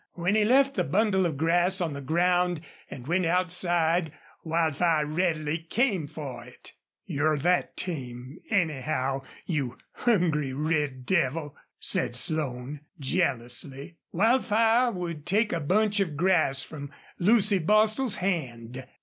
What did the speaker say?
When he left the bundle of grass on the ground and went outside Wildfire readily came for it. "You're that tame, anyhow, you hungry red devil," said Slone, jealously. Wildfire would take a bunch of grass from Lucy Bostil's hand.